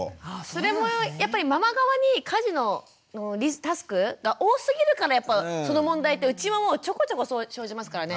それもやっぱりママ側に家事のタスクが多すぎるからやっぱその問題ってうちもちょこちょこ生じますからね。